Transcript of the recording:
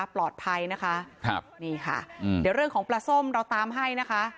ปลอดภัยนะคะครับนี่ค่ะเดี๋ยวเรื่องของปลาส้มเราตามให้นะคะ